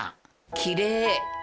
きれい！